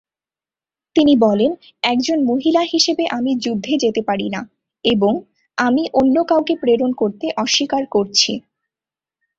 তিনি বলেন, "একজন মহিলা হিসাবে আমি যুদ্ধে যেতে পারি না," এবং "আমি অন্য কাউকে প্রেরণ করতে অস্বীকার করছি।"